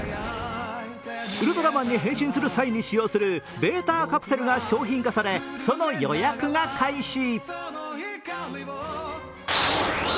ウルトラマンに返信する際に使用するベーターカプセルが商品化され、その予約が開始。